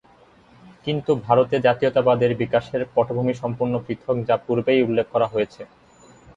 কিন্তু ভারতে জাতীয়তাবাদের বিকাশের পটভূমি সম্পূর্ণ পৃথক, যা পূর্বেই উল্লেখ করা হয়েছে।